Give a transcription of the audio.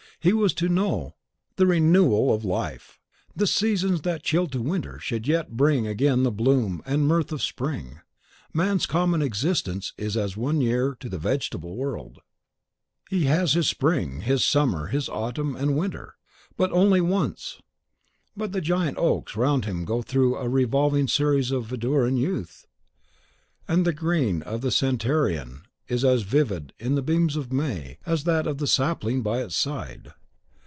He was to know THE RENEWAL OF LIFE; the seasons that chilled to winter should yet bring again the bloom and the mirth of spring. Man's common existence is as one year to the vegetable world: he has his spring, his summer, his autumn, and winter, but only ONCE. But the giant oaks round him go through a revolving series of verdure and youth, and the green of the centenarian is as vivid in the beams of May as that of the sapling by its side.